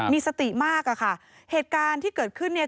มีสติมากอะค่ะเหตุการณ์ที่เกิดขึ้นเนี่ย